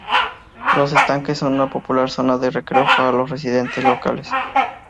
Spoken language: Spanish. Los estanques son una popular zona de recreo para los residentes locales.